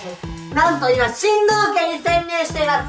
何と今新堂家に潜入しています。